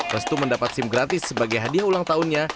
restu mendapat sim gratis sebagai hadiah ulang tahunnya